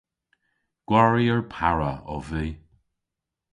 Gwarier para ov vy.